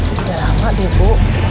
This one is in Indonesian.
udah lama deh bu